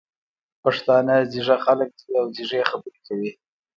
پښتانه ځيږه خلګ دي او ځیږې خبري کوي.